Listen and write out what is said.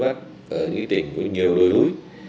ở những cái tỉnh có nhiều núi núi